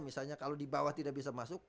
misalnya kalau di bawah tidak bisa masuk